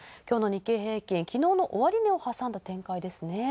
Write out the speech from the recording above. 今日の日経平均、昨日の終値を挟んだ展開ですね。